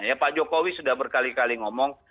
ya pak jokowi sudah berkali kali ngomong